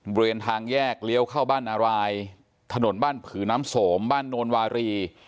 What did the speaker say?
บริเวณทางแยกเลี้ยวเข้าบ้านนารายถนนบ้านผือน้ำโสมบ้านโนนวารี